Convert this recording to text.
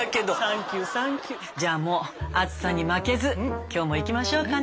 じゃあもう暑さに負けず今日もいきましょうかね。